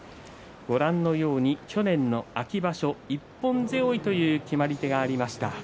ご覧のように、去年の秋場所一本背負いという決まり手がありました。